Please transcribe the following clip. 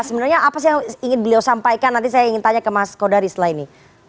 sebenarnya apa sih yang ingin beliau sampaikan nanti saya ingin tanya ke mas kodari setelah ini